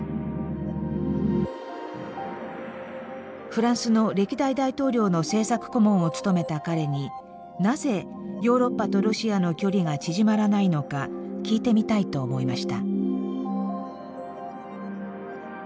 フランスの歴代大統領の政策顧問を務めた彼になぜヨーロッパとロシアの距離が縮まらないのか聞いてみたいと思いました。